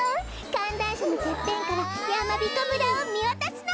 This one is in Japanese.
かんらんしゃのてっぺんからやまびこ村をみわたすの！